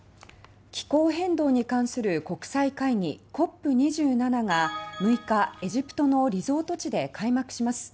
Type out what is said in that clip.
気候変動に関する国際会議ＣＯＰ２７が６日、エジプトのリゾート地で開幕します。